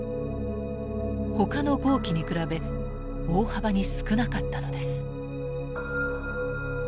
ほかの号機に比べ大幅に少なかったのです。